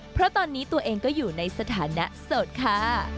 เพราะตอนนี้ตัวเองก็อยู่ในสถานะโสดค่ะ